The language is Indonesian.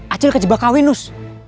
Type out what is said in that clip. acil kejebak kawinus